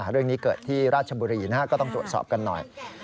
เรื่องนี้เกิดที่ราชบุรีก็ต้องตรวจสอบกันหน่อย